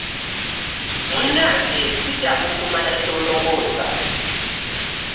Munnange si kyangu kumanya by'olowooza.